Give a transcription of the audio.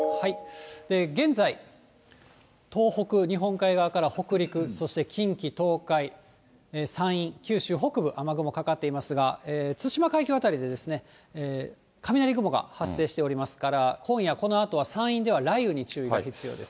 現在、東北、日本海側から北陸、そして近畿、東海、山陰、九州北部、雨雲がかかっていますが、対馬海峡辺りで、雷雲が発生しておりますから、今夜、このあとは山陰では雷雨に注意が必要です。